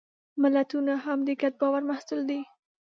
ملتونه هم د ګډ باور محصول دي.